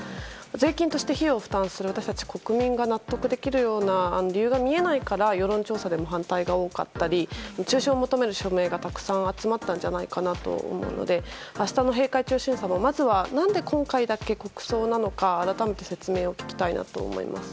税金として費用を負担する我々国民が納得できるような理由が見えないから世論調査でも反対が多かったり中止を求める署名がたくさん集まったんじゃないかなと思うので明日の閉会中審査もまずは何で今回だけ国葬なのか改めて説明を聞きたいなと思います。